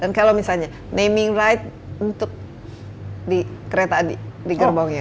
dan kalau misalnya naming rights untuk kereta di gerbongnya